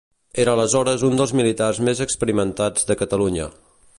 Era aleshores un dels militars més experimentats de Catalunya.